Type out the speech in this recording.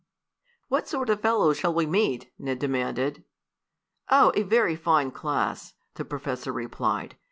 "What sort of fellows shall we meet?" Ned demanded. "Oh, a very fine class," the professor replied.